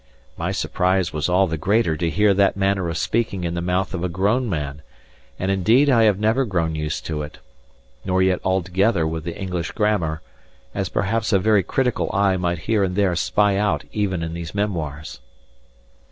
My surprise was all the greater to hear that manner of speaking in the mouth of a grown man; and indeed I have never grown used to it; nor yet altogether with the English grammar, as perhaps a very critical eye might here and there spy out even in these memoirs.